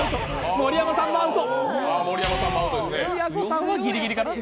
盛山さんアウト。